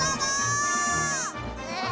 えっ！？